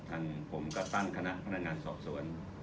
ผมก็ตั้งคณะพนักงานสอบสวน